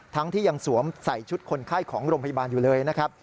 ที่ยังสวมใส่ชุดคนไข้ของโรงพยาบาลอยู่เลยนะครับ